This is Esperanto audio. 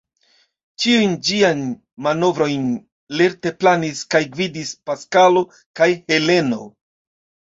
Ĉiujn ĝiajn manovrojn lerte planis kaj gvidis Paskalo kaj Heleno.